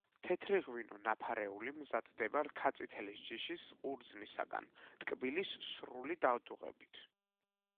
თეთრი ღვინო „ნაფარეული“ მზადდება რქაწითელის ჯიშის ყურძნისაგან ტკბილის სრული დადუღებით.